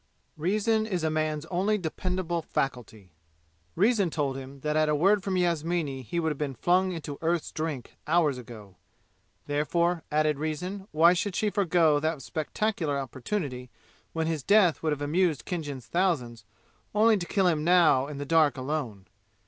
Reason is a man's only dependable faculty. Reason told him that at a word from Yasmini he would have been flung into "Earth's Drink" hours ago. Therefore, added reason, why should she forego that spectacular opportunity when his death would have amused Khinjan's thousands, only to kill him now in the dark alone?